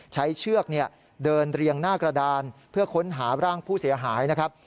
เชือกเดินเรียงหน้ากระดานเพื่อค้นหาร่างผู้เสียหายนะครับ